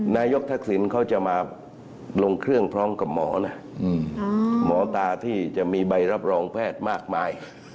นายกทักษิณเขาจะมาลงเครื่องพร้อมกับหมอนะหมอตาที่จะมีใบรับรองแพทย์มากมาย